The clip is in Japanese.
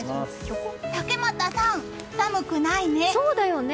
竹俣さん、寒くないね。